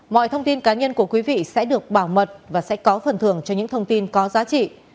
mọi thông tin cá nhân của quý vị sẽ được bảo mật và sẽ có phần thường cho những thông tin có giá trị